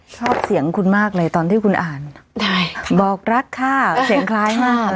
ชอบเสียงคุณมากเลยตอนที่คุณอ่านบอกรักค่ะเสียงคล้ายมาก